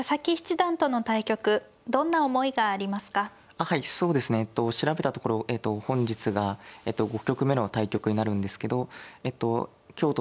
はいそうですね調べたところ本日が５局目の対局になるんですけどえっと